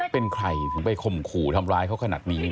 เป็นใครถึงไปข่มขู่ทำร้ายเขาขนาดนี้